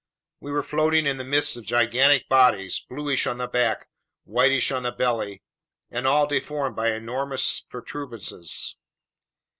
We were floating in the midst of gigantic bodies, bluish on the back, whitish on the belly, and all deformed by enormous protuberances.